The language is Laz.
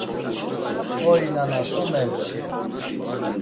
Oi nana so memçi!